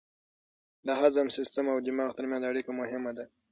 د هضم سیستم او دماغ ترمنځ اړیکه مهمه ده.